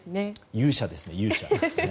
勇者ですね、勇者。